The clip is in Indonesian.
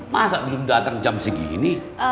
masa belum datang jam segini